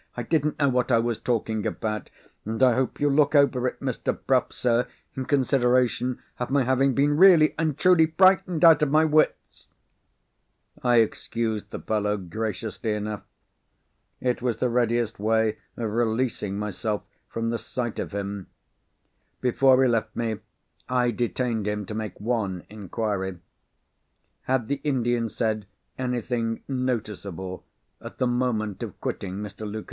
"I didn't know what I was talking about. And I hope you'll look over it, Mr. Bruff, sir, in consideration of my having been really and truly frightened out of my wits." I excused the fellow graciously enough. It was the readiest way of releasing myself from the sight of him. Before he left me, I detained him to make one inquiry. Had the Indian said anything noticeable, at the moment of quitting Mr. Luker's house?